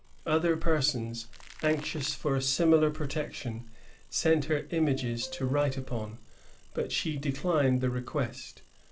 Other persons, anxious for a similar protection, sent her images to write upon ; but she declined the request.